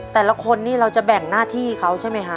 แต่ละคนนี่เราจะแบ่งหน้าที่เขาใช่ไหมคะ